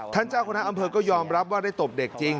เจ้าคณะอำเภอก็ยอมรับว่าได้ตบเด็กจริง